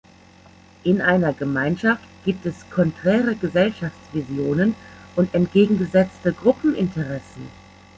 In einer Gemeinschaft gibt es konträre Gesellschaftsvisionen und entgegengesetzte Gruppeninteressen.